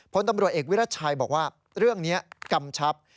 พลตำรวจเอกวิรัชัยบอกว่าเรื่องนี้กำชับ